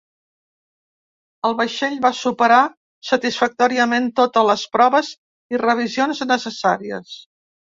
El vaixell va superar satisfactòriament totes les proves i revisions necessàries.